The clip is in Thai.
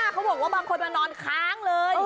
เขาบอกว่าบางคนมานอนค้างเลย